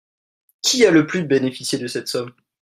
Qui a le plus bénéficié de cette somme?